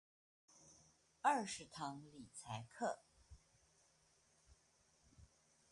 二十堂理財課